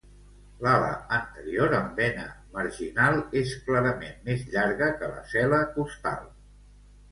L'ala anterior amb vena marginal és clarament més llarga que la cel·la costal.